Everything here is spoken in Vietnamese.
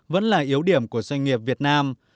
vẫn là yếu điểm của doanh nghiệp việt nam